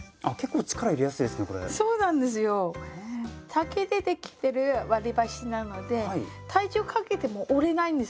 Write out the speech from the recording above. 竹でできてる割り箸なので体重かけても折れないんですよ。